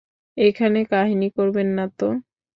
এখানে কাহিনী করবেন না তো।